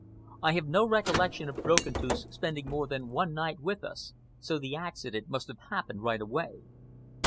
I have no recollection of Broken Tooth spending more than one night with us, so the accident must have happened right away.